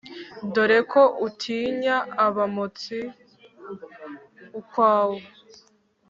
dore ko utinya abamotsi ukwawe